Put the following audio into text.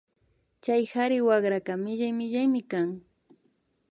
Chay kari wakraka millay millaymi kan